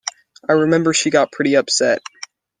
I remember she got pretty upset.